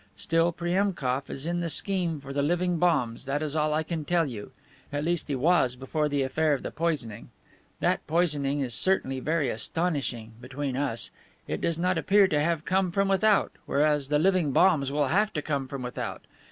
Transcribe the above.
Still, Priemkof is in the scheme for the living bombs, that is all I can tell you; at least, he was before the affair of the poisoning. That poisoning is certainly very astonishing, between us. It does not appear to have come from without, whereas the living bombs will have to come from without.